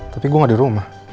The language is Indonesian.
tapi gue gak di rumah